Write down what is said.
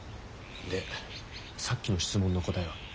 でさっきの質問の答えは？